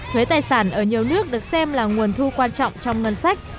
thuế tài sản ở nhiều nước được xem là nguồn thu quan trọng trong ngân sách